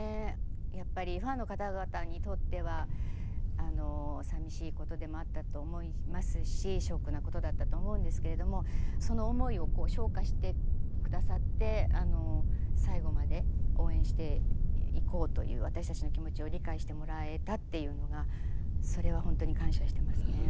やっぱりファンの方々にとっては寂しいことでもあったと思いますしショックなことだったと思うんですけれどもその思いを消化してくださって最後まで応援していこうという私たちの気持ちを理解してもらえたっていうのがそれはほんとに感謝してますね。